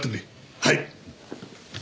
はい！